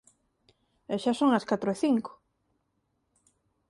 E xa son as catro e cinco…